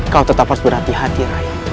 kau tetap harus berhati hati